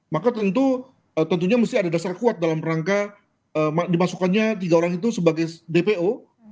maka tentunya mesti ada dasar kuat dalam rangka dimasukkannya tiga orang itu sebagai dpo